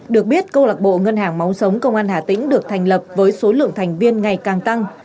được biết câu lạc bộ ngân hàng máu sống công an hà tĩnh được thành lập với số lượng thành viên ngày càng tăng